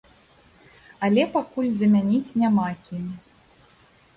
Але пакуль замяніць няма кім.